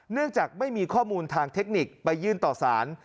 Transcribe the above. เนื่องจากไม่มีข้อมูลทางเทคนิคไปยื่นต่อสาร